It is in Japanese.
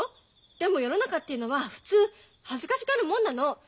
でも世の中っていうのは普通恥ずかしがるもんなの。